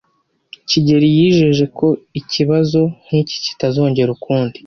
kigeli yijeje ko ikibazo nk'iki kitazongera ukundi.